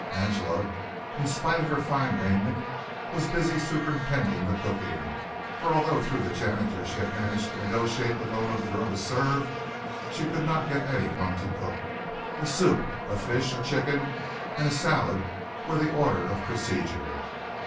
Angela, in spite of her fine raiment, was busy superintending the cooking, for although through the janitor she had managed to negotiate the loan of a girl to serve, she could not get anyone to cook. A soup, a fish, a chicken and a salad, were the order of procedure.